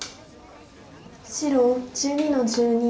白１２の十二。